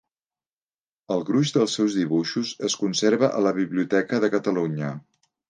El gruix dels seus dibuixos es conserva a la Biblioteca de Catalunya.